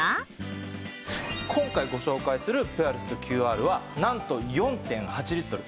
今回ご紹介するピュアレストＱＲはなんと４．８リットル。